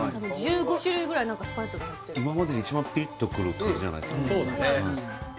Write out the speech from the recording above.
スパイスの方も今までで一番ピリッとくる感じじゃないですか？